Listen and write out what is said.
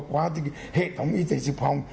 quá thì hệ thống y tế dịch phòng